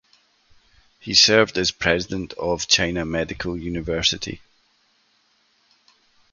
He served as President of China Medical University.